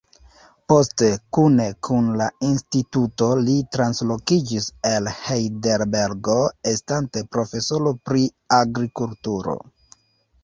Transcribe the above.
Poste kune kun la instituto li translokiĝis el Hejdelbergo estante profesoro pri agrikulturo.